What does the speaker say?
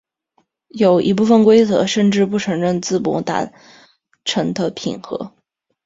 有一部分规则甚至不承认自摸达成的平和。